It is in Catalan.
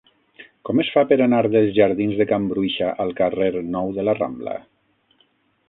Com es fa per anar dels jardins de Can Bruixa al carrer Nou de la Rambla?